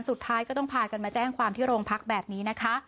สุดท้ายก็ต้องพากันมาแจ้งความที่โรงพักแบบนี้นะคะ